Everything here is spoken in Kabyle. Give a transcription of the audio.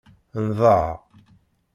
Nḍaε.